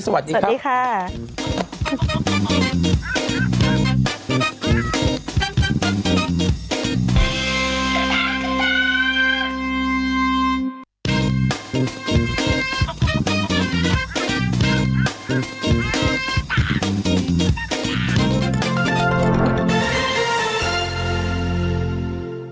สวัสดีครับ